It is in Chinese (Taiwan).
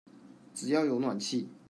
只要有暖氣